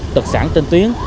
tự sẵn trên tuyến